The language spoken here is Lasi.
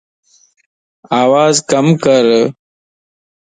آواز ڪَم ڪر